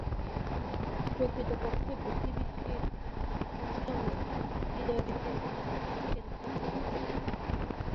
প্রকৃতপক্ষে বুদ্ধিবৃত্তির অনুশীলন নয়, হৃদয়বৃত্তির অনুশীলনই বিশ্বের দুঃখ-দৈন্য হ্রাস করিতে পারে।